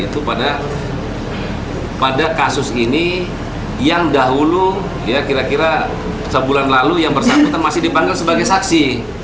itu pada kasus ini yang dahulu ya kira kira sebulan lalu yang bersangkutan masih dipanggil sebagai saksi